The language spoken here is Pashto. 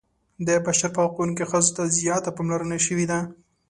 د بشر په حقونو کې ښځو ته زیاته پاملرنه شوې ده.